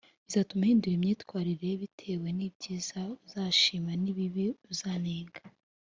bizatuma uhindura imyitwarire bitewe n’ibyiza uzashima n’ibibi uzanenga.